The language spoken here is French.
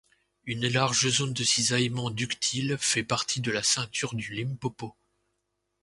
Une large zone de cisaillement ductile fait partie de la ceinture du Limpopo.